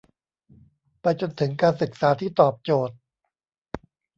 ไปจนถึงการศึกษาที่ตอบโจทย์